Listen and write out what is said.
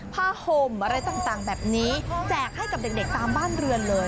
ผ้าห่มอะไรต่างแบบนี้แจกให้กับเด็กตามบ้านเรือนเลย